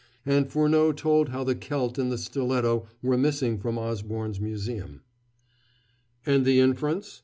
And Furneaux told how the celt and the stiletto were missing from Osborne's museum. "And the inference?"